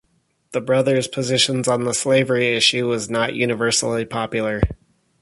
The brothers' positions on the slavery issue were not universally popular.